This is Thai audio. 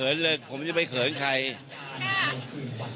อันนี้จะต้องจับเบอร์เพื่อที่จะแข่งกันแล้วคุณละครับ